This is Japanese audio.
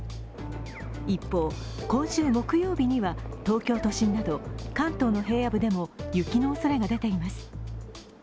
一方、今週木曜日には東京都心など関東の平野部でも雪のおそれが出ています。